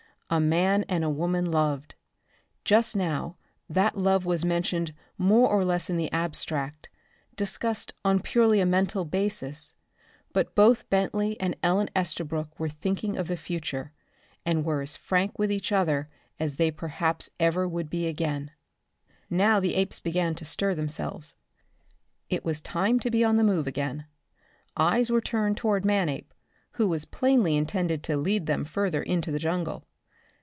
A man and woman loved. Just now that love was mentioned more or less in the abstract, discussed on purely a mental basis but both Bentley and Ellen Estabrook were thinking of the future, and were as frank with each other as they perhaps ever would be again. Now the apes were beginning to stir themselves. It was time to be on the move again. Eyes were turned toward Manape, who was plainly intended to lead them further into the jungle.